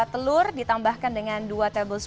telur ditambahkan dengan dua tebus